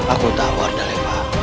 aku tahu ada lepa